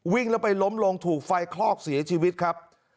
วิ่งแล้วไปล้มลงถูกไฟคลอกเสียชีวิตครับ